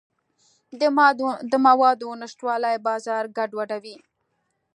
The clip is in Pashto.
د موادو نشتوالی بازار ګډوډوي.